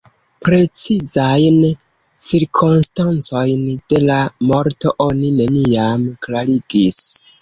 Precizajn cirkonstancojn de la morto oni neniam klarigis.